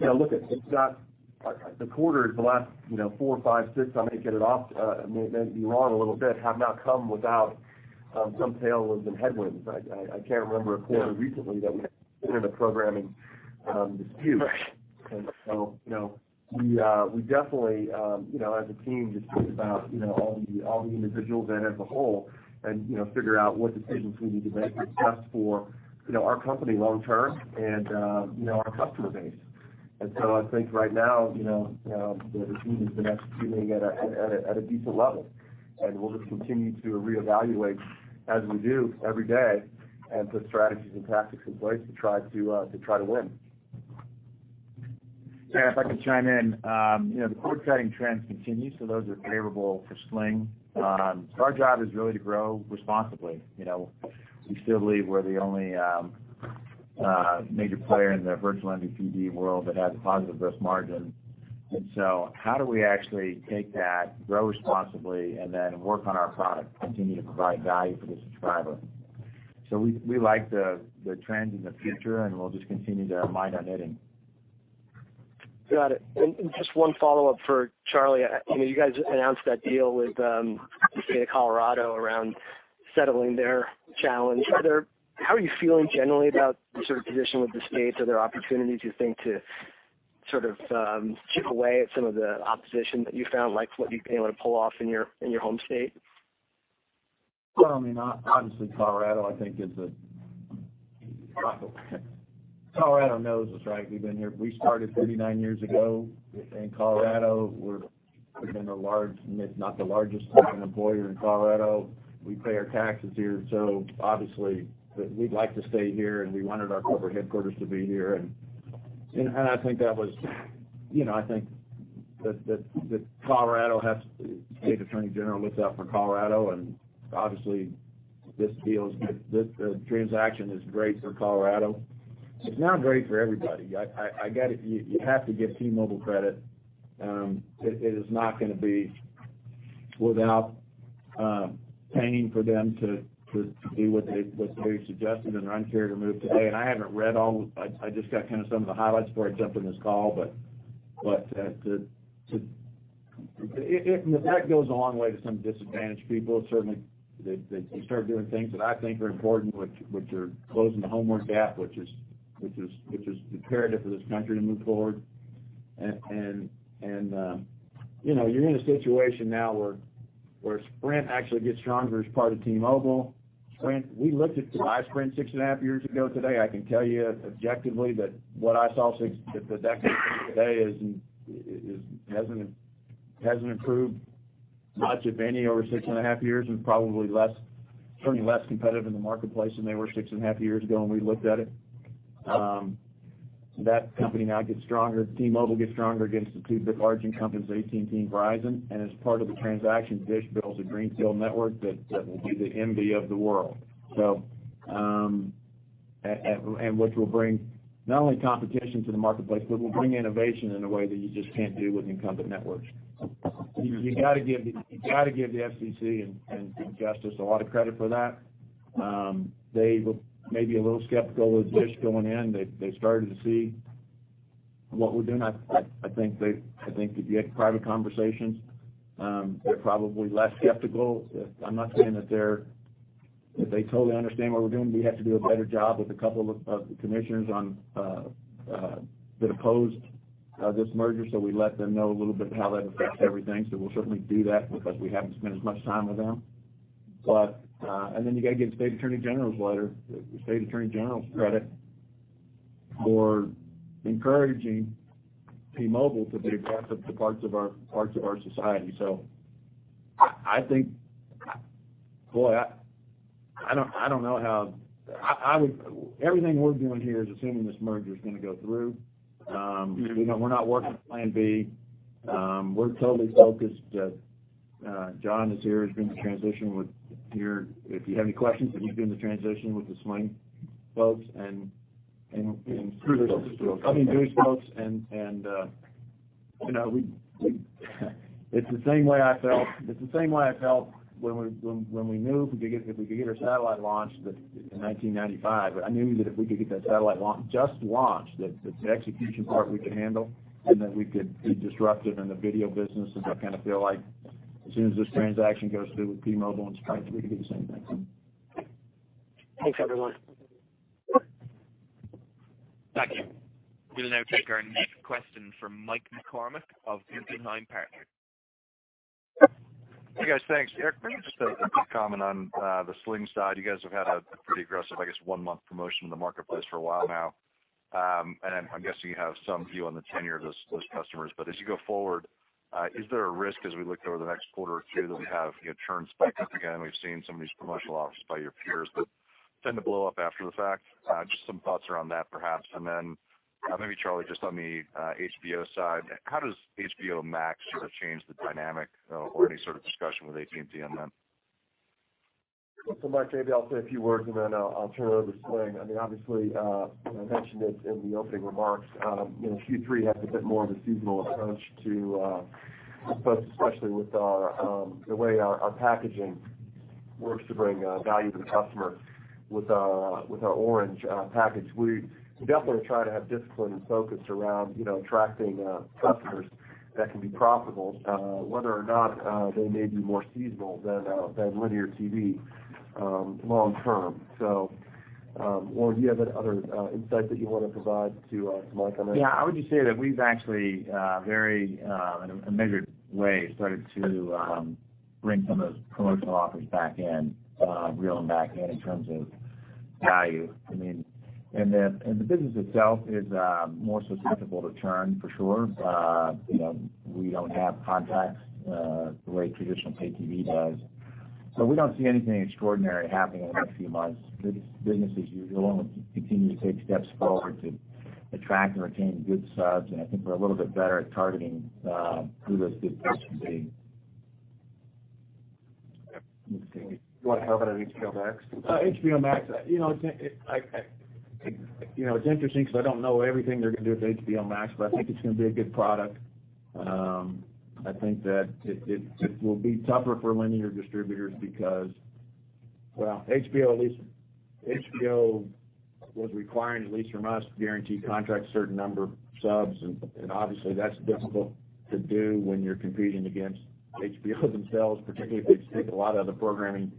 You know, look, the quarter, the last, you know, four, five, six, I may get it off, I may be wrong a little bit, have not come without some tailwinds and headwinds. I can't remember a quarter recently that we haven't been in a programming dispute. You know, we definitely, you know, as a team just think about, you know, all the individuals and as a whole and, you know, figure out what decisions we need to make that's best for, you know, our company long term and, you know, our customer base. I think right now, you know, the team has been executing at a decent level. We'll just continue to reevaluate as we do every day and put strategies and tactics in place to try to win. If I could chime in, you know, the cord-cutting trends continue, so those are favorable for Sling. Our job is really to grow responsibly. You know, we still believe we're the only major player in the virtual MVPD world that has a positive gross margin. How do we actually take that, grow responsibly, and then work on our product, continue to provide value for the subscriber? We like the trends in the future, and we'll just continue to mind our knitting. Got it. Just one follow-up for Charlie. You know, you guys announced that deal with the state of Colorado around settling their challenge. How are you feeling generally about the sort of position with the states? Are there opportunities you think to sort of chip away at some of the opposition that you found, like what you've been able to pull off in your home state? Well, I mean, obviously, Colorado, I think, is a Colorado knows us, right? We've been here. We started 39 years ago in Colorado. We've been a large, if not the largest private employer in Colorado. We pay our taxes here, obviously, we'd like to stay here, and we wanted our corporate headquarters to be here. I think that was, you know, I think that Colorado has the state attorney general looks out for Colorado, and obviously, this deal is This transaction is great for Colorado. It's not great for everybody. I got to You have to give T-Mobile credit. It is not gonna be without paying for them to do what they've suggested in their Un-carrier move today. I haven't read all I just got kind of some of the highlights before I jumped on this call. That goes a long way to some disadvantaged people. Certainly, they start doing things that I think are important, which are closing the homework gap, which is imperative for this country to move forward. You know, you're in a situation now where Sprint actually gets stronger as part of T-Mobile. Sprint, we looked at, to buy Sprint six and a half years ago today. I can tell you objectively that what I saw the deck today hasn't improved much, if any, over six and a half years and probably less, certainly less competitive in the marketplace than they were six and a half years ago when we looked at it. That company now gets stronger. T-Mobile gets stronger against the two big large incumbents, AT&T and Verizon. As part of the transaction, DISH builds a greenfield network that will be the envy of the world. And which will bring not only competition to the marketplace, but will bring innovation in a way that you just can't do with incumbent networks. You gotta give the FCC and Justice a lot of credit for that. They were maybe a little skeptical of DISH going in. They started to see what we're doing. I think if you had private conversations, they're probably less skeptical. I'm not saying that they're That they totally understand what we're doing. We have to do a better job with a couple of the commissioners on that opposed this merger. We let them know a little bit how that affects everything. We'll certainly do that because we haven't spent as much time with them. And then you gotta give the State Attorney General's letter, the State Attorney General's credit for encouraging T-Mobile to be part of, to parts of our society. I think Boy, I don't, I don't know how. Everything we're doing here is assuming this merger is gonna go through. You know, we're not working with plan B. We're totally focused. John is here. If you have any questions, he's doing the transition with the Sling folks. DISH folks. DISH folks. I mean, DISH folks and, you know, It's the same way I felt when we knew if we could get our satellite launched that in 1995. I knew that if we could get that satellite just launched, that the execution part we could handle, and that we could be disruptive in the video business. I kinda feel like as soon as this transaction goes through with T-Mobile and Sprint, we could do the same thing. Thanks, everyone. Thank you. We'll now take our next question from Michael McCormack of Guggenheim Partners. Hey, guys. Thanks. Erik, maybe just a quick comment on the Sling side. You guys have had a pretty aggressive, I guess, 1-month promotion in the marketplace for a while now. I'm guessing you have some view on the tenure of those customers. As you go forward, is there a risk as we look over the next quarter or two that we have, you know, churn spike up again? We've seen some of these promotional offers by your peers that tend to blow up after the fact. Just some thoughts around that perhaps. Then, maybe Charlie, just on the HBO side, how does HBO Max sort of change the dynamic, or any sort of discussion with AT&T on them? Mike, maybe I'll say a few words, and then I'll turn it over to Sling. I mean, obviously, and I mentioned this in the opening remarks, you know, Q3 has a bit more of a seasonal approach to, especially with our, the way our packaging works to bring value to the customer with our, with our Orange package. We definitely try to have discipline and focus around, you know, attracting customers that can be profitable, whether or not they may be more seasonal than linear TV long term. Or do you have any other insight that you wanna provide to Mike on that? Yeah. I would just say that we've actually, very, in a measured way, started to bring some of those promotional offers back in, reel them back in terms of value. I mean, the business itself is more susceptible to churn for sure. You know, we don't have contracts, the way traditional pay TV does. We don't see anything extraordinary happening in the next few months. Business as usual, and we'll continue to take steps forward to attract and retain good subs, and I think we're a little bit better at targeting who those good subs should be. Let me see. Do you wanna comment on HBO Max? HBO Max, you know, it's, I, you know, it's interesting because I don't know everything they're gonna do with HBO Max, but I think it's gonna be a good product. I think that it will be tougher for linear distributors because Well, HBO at least, HBO was requiring, at least from us, guaranteed contracts, a certain number of subs, and obviously that's difficult to do when you're competing against HBO themselves, particularly if they stick a lot of the programming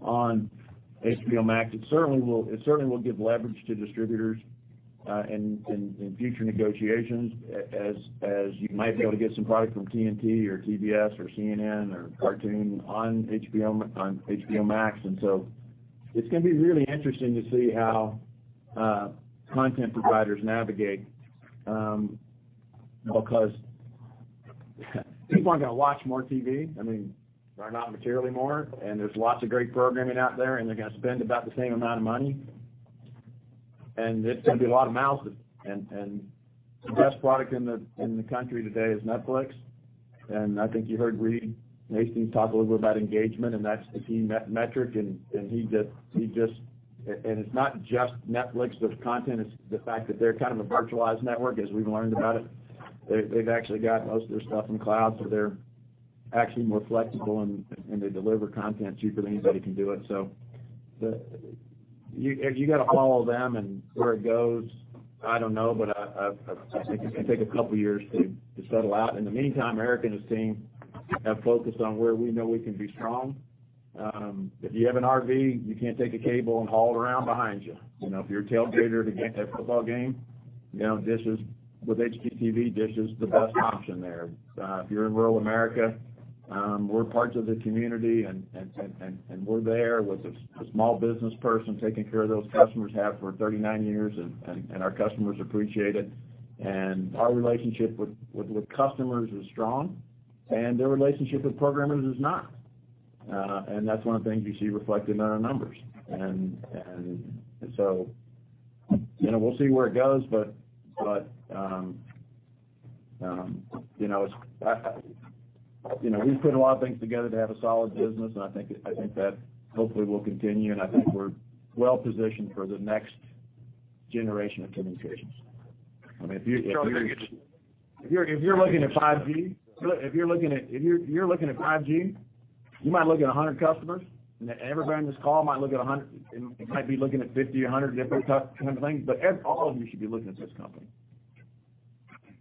on HBO Max. It certainly will give leverage to distributors, in future negotiations as you might be able to get some product from TNT or TBS or CNN or Cartoon on HBO, on HBO Max. It's gonna be really interesting to see how content providers navigate, because people aren't gonna watch more TV, I mean, or not materially more, and there's lots of great programming out there, and they're gonna spend about the same amount of money. There's gonna be a lot of mouths. The best product in the country today is Netflix. I think you heard Reed Hastings talk a little bit about engagement, and that's the key metric, and it's not just Netflix, the content, it's the fact that they're kind of a virtualized network, as we've learned about it. They've actually got most of their stuff in cloud, so they're actually more flexible and they deliver content cheaper than anybody can do it. You gotta follow them and where it goes, I don't know, but I think it's gonna take a couple of years to settle out. In the meantime, Erik and his team have focused on where we know we can be strong. If you have an RV, you can't take a cable and haul it around behind you. You know, if you're a tailgater at a football game, you know, DISH is, with HDTV, DISH is the best option there. If you're in rural America, we're parts of the community and we're there with a small business person taking care of those customers, have for 39 years, and our customers appreciate it. Our relationship with customers is strong, and their relationship with programmers is not. That's one of the things you see reflected in our numbers. You know, we'll see where it goes, but, you know, it's, you know, we've put a lot of things together to have a solid business, and I think that hopefully will continue, and I think we're well-positioned for the next generation of communications. I mean, if you Charlie, I think it's. If you're looking at 5G, if you're looking at 5G, you might look at 100 customers, and everybody on this call might look at 100, and might be looking at 50, 100 different kind of things. All of you should be looking at this company.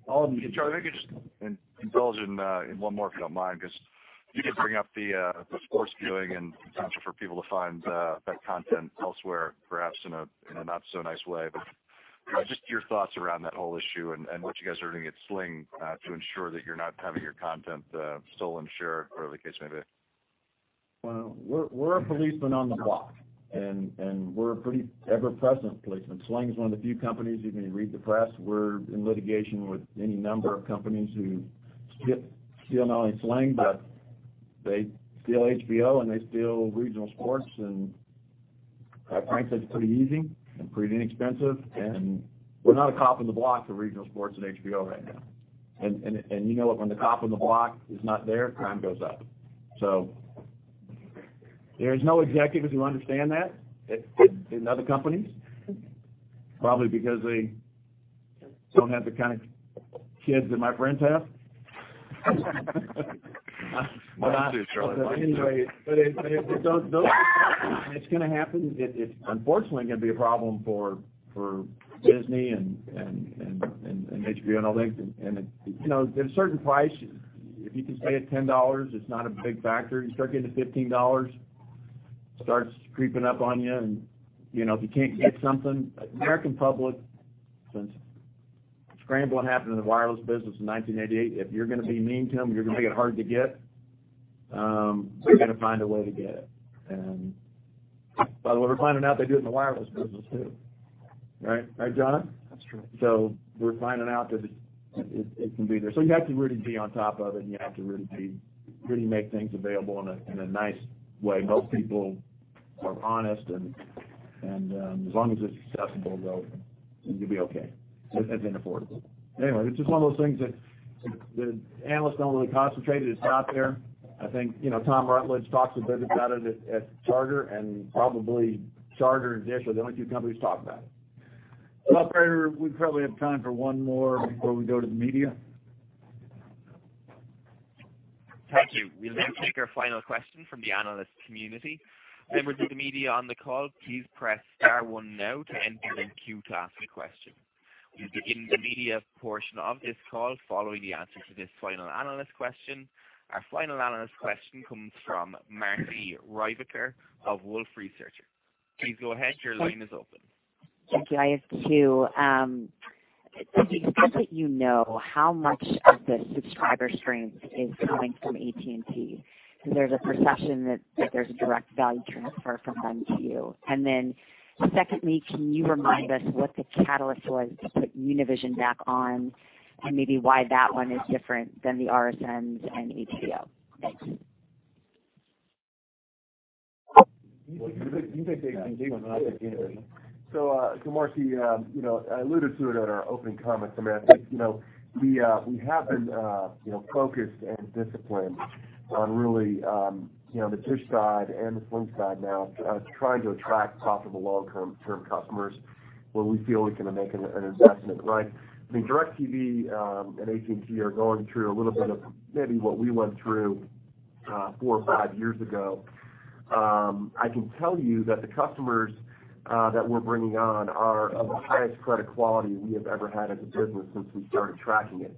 All of you should. Charlie, I think I could just indulge in one more, if you don't mind, 'cause you did bring up the sports viewing and potential for people to find that content elsewhere, perhaps in a, in a not so nice way. Just your thoughts around that whole issue and what you guys are doing at Sling, to ensure that you're not having your content, stolen, shared, whatever the case may be. Well, we're a policeman on the block and we're a pretty ever-present policeman. Sling's one of the few companies, even if you read the press, we're in litigation with any number of companies who steal not only Sling, but they steal HBO, and they steal regional sports. Frank said it's pretty easy and pretty inexpensive, and we're not a cop on the block for regional sports and HBO right now. You know what? When the cop on the block is not there, crime goes up. There's no executives who understand that in other companies, probably because they don't have the kind of kids that my friends have. Mine too, Charlie. Anyway, it's gonna happen. It unfortunately is gonna be a problem for Disney and HBO and all things. You know, at a certain price, if you can stay at $10, it's not a big factor. You start getting to $15, starts creeping up on you. You know, if you can't get something, American public, since scrambling happened in the wireless business in 1988, if you're gonna be mean to them, you're gonna make it hard to get, they're gonna find a way to get it. By the way, we're finding out they do it in the wireless business too. Right, Jason? That's true. We're finding out that it can be there. You have to really be on top of it, and you have to really make things available in a nice way. Most people are honest and as long as it's accessible, you'll be okay and affordable. Anyway, it's just one of those things that the analysts don't really concentrate. It's not there. I think, you know, Tom Rutledge talks a bit about it at Charter, and probably Charter and DISH are the only two companies who talk about it. Operator, we probably have time for one more before we go to the media. Thank you. We'll now take our final question from the analyst community. Members of the media on the call, please press star one now to enter the queue to ask a question. We'll begin the media portion of this call following the answer to this final analyst question. Our final analyst question comes from Marci Ryvicker of Wolfe Research. Please go ahead. Your line is open. Thank you. I have two. To the extent that you know how much of the subscriber streams is coming from AT&T, because there's a perception that there's a direct value transfer from them to you. Secondly, can you remind us what the catalyst was to put Univision back on and maybe why that one is different than the RSNs and HBO? Thanks. You take the AT&T one, and I'll take the other one. Marci, you know, I alluded to it in our opening comments. I think, you know, we have been, you know, focused and disciplined on really, you know, the DISH side and the Sling side now, trying to attract profitable long-term customers where we feel we can make an investment. Right? DirecTV and AT&T are going through a little bit of maybe what we went through, four or five years ago. I can tell you that the customers that we're bringing on are of the highest credit quality we have ever had as a business since we started tracking it.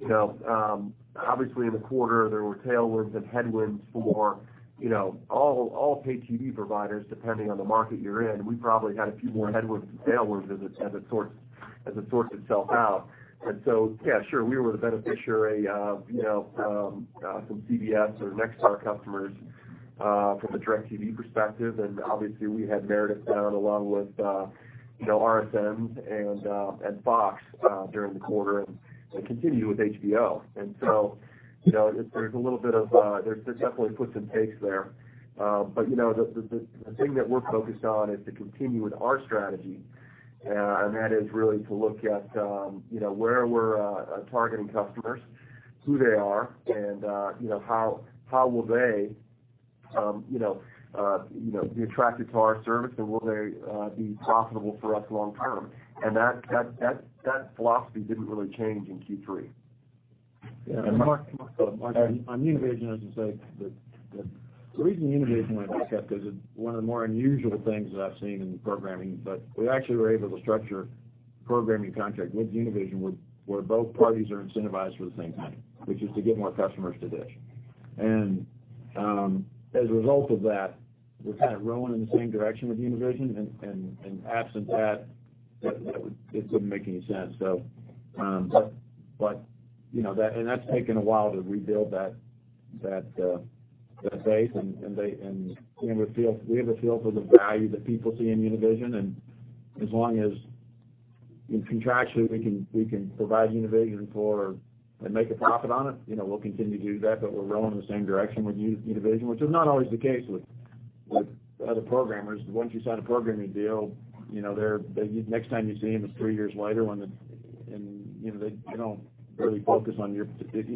You know, obviously, in the quarter, there were tailwinds and headwinds for, you know, all paid TV providers, depending on the market you're in. We probably had a few more headwinds than tailwinds as it sorts itself out. Yeah, sure, we were the beneficiary of, you know, some CBS or Nexstar customers from a DirecTV perspective. Obviously, we had Meredith down along with, you know, RSNs and Fox during the quarter and continue with HBO. You know, there's a little bit of, there's definitely puts and takes there. You know, the thing that we're focused on is to continue with our strategy, and that is really to look at, you know, where we're targeting customers, who they are and, you know, how will they, you know, be attracted to our service and will they be profitable for us long term. That philosophy didn't really change in Q3. Yeah. Marci, on Univision, I should say that the reason Univision went back up is one of the more unusual things that I've seen in programming. We actually were able to structure a programming contract with Univision where both parties are incentivized for the same thing, which is to get more customers to DISH. As a result of that, we're kind of rowing in the same direction with Univision. Absent that wouldn't make any sense. But you know that's taken a while to rebuild that base. We have a feel for the value that people see in Univision. As long as contractually we can provide Univision for and make a profit on it, you know, we'll continue to do that. We're rowing in the same direction with Univision, which is not always the case with other programmers. Once you sign a programming deal, you know, the next time you see them is three years later. You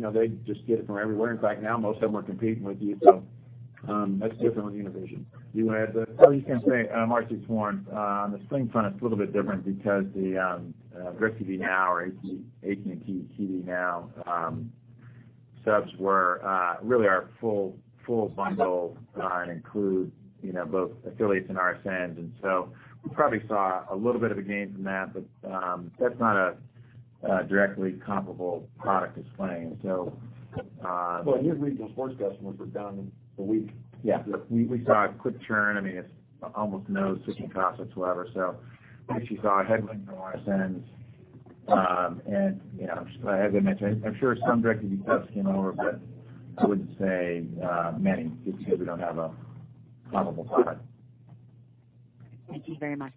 know, they just get it from everywhere. In fact, now most of them are competing with you. That's different with Univision. You add the. You can say, Marci, it's Warren. On the Sling front, it's a little bit different because the DirecTV Now or AT&T TV Now subs were really our full bundle and include, you know, both affiliates and RSNs. We probably saw a little bit of a gain from that. That's not a directly comparable product as Sling. New regional sports customers were down in the week. Yeah. We saw a quick churn. I mean, it's almost no switching costs whatsoever. I think you saw a headwind from RSNs. You know, as I mentioned, I'm sure some DirecTV subs came over, but I wouldn't say many just because we don't have a comparable product. Thank you very much.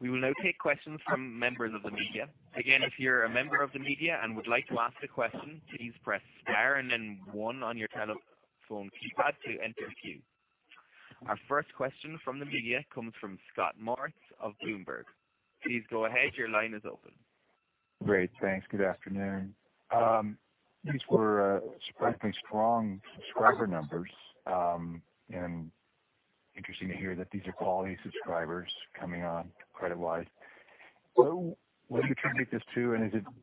We will now take questions from members of the media. Again, if you're a member of the media and would like to ask a question, please press star and then one on your telephone keypad to enter queue. Our first question from the media comes from Scott Moritz of Bloomberg. Great. Thanks. Good afternoon. These were surprisingly strong subscriber numbers, and interesting to hear that these are quality subscribers coming on credit wise. What do you attribute this to?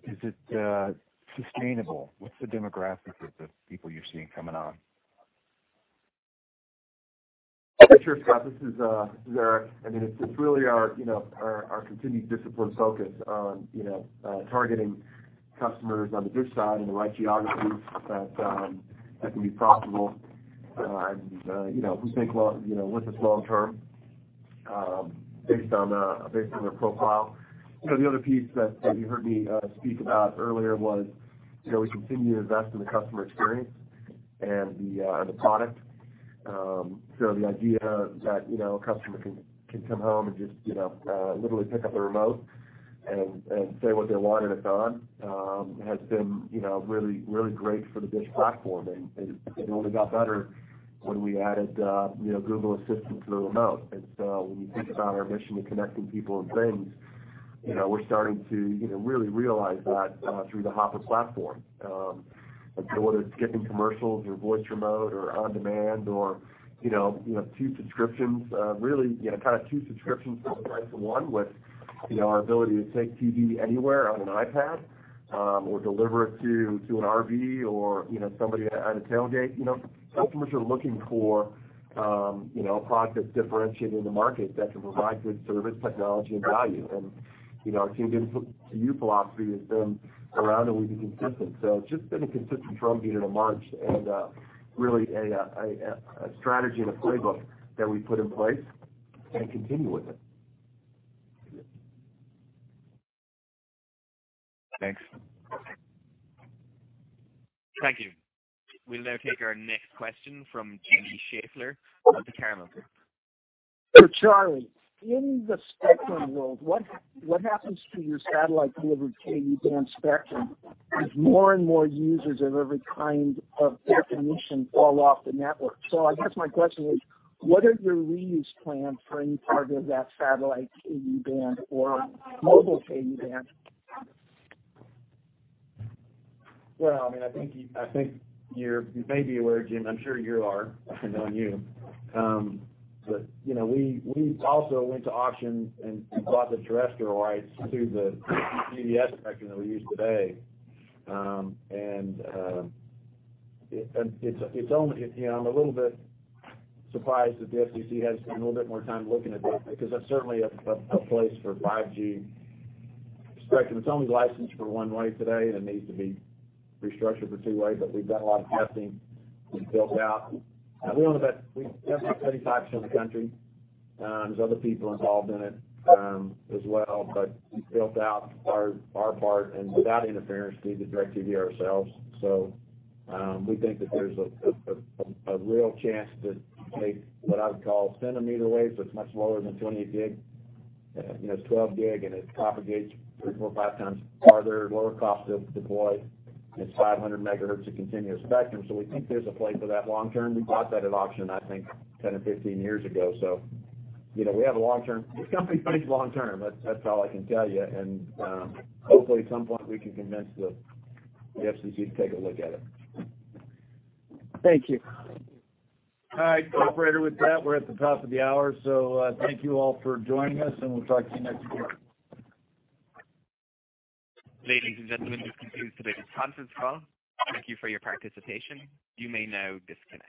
Is it sustainable? What's the demographic of the people you're seeing coming on? Sure, Scott, this is Erik. I mean, it's really our, you know, our continued disciplined focus on, you know, targeting customers on the DISH side in the right geographies that can be profitable. You know, who think long, you know, with us long term, based on their profile. You know, the other piece that you heard me speak about earlier was, you know, we continue to invest in the customer experience and the product. The idea that, you know, a customer can come home and just, you know, literally pick up the remote and say what they want and it's on, has been, you know, really great for the DISH platform. It only got better when we added, you know, Google Assistant to the remote. When you think about our mission to connecting people and things, you know, we're starting to, you know, really realize that through the Hopper platform. Whether it's skipping commercials or voice remote or on-demand or, you know, you know, two subscriptions, really, you know, kind of two subscriptions for the price of one with, you know, our ability to take TV anywhere on an iPad, or deliver it to an RV or, you know, somebody at a tailgate. You know, customers are looking for, you know, a product that's differentiated in the market that can provide good service, technology and value. You know, our TV Everywhere philosophy has been around and we've been consistent. It's just been a consistent drumbeat in a march and really a strategy and a playbook that we put in place and continue with it. Thanks. Thank you. We'll now take our next question from Jimmy Schaeffler of The Carmel Group. Charlie, in the spectrum world, what happens to your satellite delivered Ku-band spectrum as more and more users of every kind of definition fall off the network? I guess my question is, what are your reuse plans for any part of that satellite Ku-band or mobile Ku-band? Well, I mean, I think you're, you may be aware, Jim, I'm sure you are, knowing you. You know, we also went to auction and bought the terrestrial rights to the DBS spectrum that we use today. You know, I'm a little bit surprised that the FCC hasn't spent a little bit more time looking at that because that's certainly a place for 5G spectrum. It's only licensed for one way today and it needs to be restructured for two way. We've done a lot of testing. We've built out. We have about 30 sites in the country. There's other people involved in it as well. We built out our part and without interference to the DirecTV ourselves. We think that there's a real chance to take what I would call centimeter waves. That's much smaller than 20 gig. You know, it's 12 gig and it propagates three, four, 5x farther, lower cost to deploy, and it's 500MHz of continuous spectrum. We think there's a play for that long term. We bought that at auction, I think 10 or 15 years ago. You know, we have a long term. This company thinks long term. That's all I can tell you. Hopefully at some point we can convince the FCC to take a look at it. Thank you. All right, operator, with that we're at the top of the hour, so thank you all for joining us, and we'll talk to you next quarter. Ladies and gentlemen, this concludes today's conference call. Thank you for your participation. You may now disconnect.